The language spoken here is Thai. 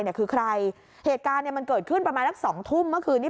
เนี่ยคือใครเหตุการณ์เนี่ยมันเกิดขึ้นประมาณสักสองทุ่มเมื่อคืนนี้